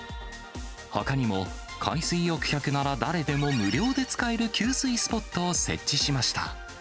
ほかにも、海水浴客なら誰でも無料で使える給水スポットを設置しました。